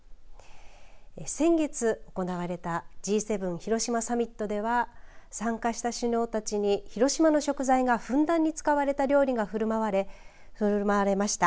先月行われたＧ７広島サミットでは参加した首脳たちに広島の食材がふんだんに使われた料理が振る舞われました。